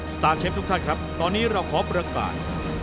ตาร์เชฟทุกท่านครับตอนนี้เราขอประกาศ